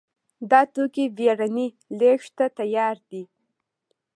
دا توکي بېړنۍ لېږد ته تیار دي.